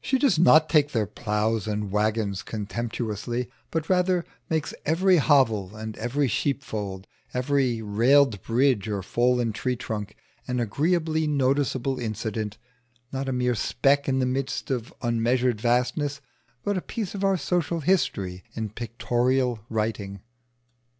She does not take their ploughs and waggons contemptuously, but rather makes every hovel and every sheepfold, every railed bridge or fallen tree trunk an agreeably noticeable incident; not a mere speck in the midst of unmeasured vastness, but a piece of our social history in pictorial writing.